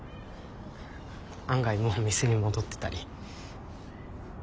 案外もう店に戻ってたり。